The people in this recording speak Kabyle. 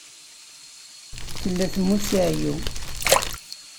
Tella temmut si ɛeyyu.